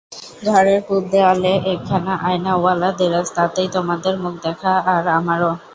ঘরের পুব-দেওয়ালে একখানা আয়নাওয়ালা দেরাজ, তাতেই তোমারও মুখ দেখা আর আমারও।